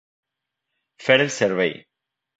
Fer el servei.